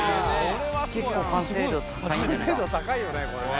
結構完成度高いよね